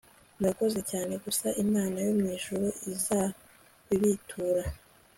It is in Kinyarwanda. murakoze cyane gusa Imana yo mwijuru izabibitura